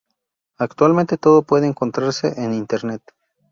Actualmente todo puede encontrarse en Internet.